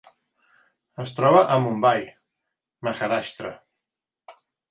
Es troba a Mumbai, Maharashtra.